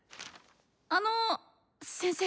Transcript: あの先生。